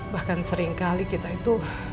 bahkan seringkali kita itu